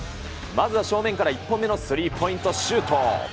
まずは正面から１本目のスリーポイントシュート。